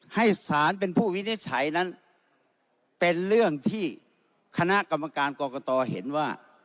ให้สารเป็นผู้วินิจฉัยนั้นเป็นเรื่องที่คณะกรรมการกรกตเห็นว่า